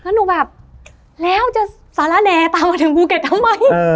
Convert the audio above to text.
แล้วหนูแบบแล้วจะสาระแน่ตามมาถึงภูเก็ตทำไม